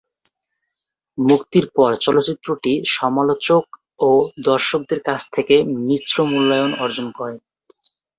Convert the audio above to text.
মুক্তির পর চলচ্চিত্রটি সমালোচক ও দর্শকদের কাছ থেকে মিশ্র মূল্যায়ন অর্জন করে।